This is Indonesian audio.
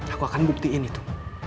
aku akan buktiin itu